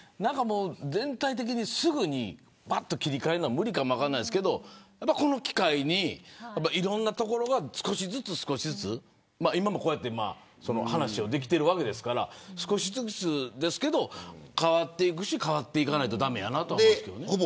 全体的にすぐに切り替えるのは無理かも分かりませんけどこの機会にいろんなところが少しずつ今も話ができているわけですから少しずつですけど変わっていくし変わっていかないと駄目やなと思います。